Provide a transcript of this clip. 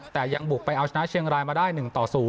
แต่ยังบุกไปเอาชนะเชียงรายมาได้๑ต่อ๐